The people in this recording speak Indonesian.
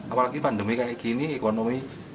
apalagi pandemi kayak gini ekonomi